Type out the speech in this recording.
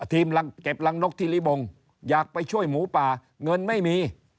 เก็บรังนกที่ริบงอยากไปช่วยหมูป่าเงินไม่มี